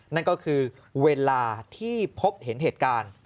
นั่นก็คือเวลาที่พบเห็นเหตุการณ์